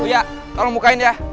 buya tolong mukain ya